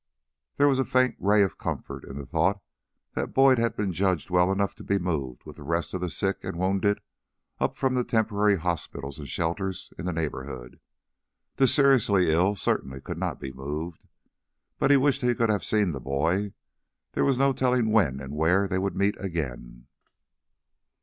There was a faint ray of comfort in the thought that Boyd had been judged well enough to be moved with the rest of the sick and wounded up from the temporary hospitals and shelters in the neighborhood. The seriously ill certainly could not be moved. But he wished he could have seen the boy; there was no telling when and where they would meet again.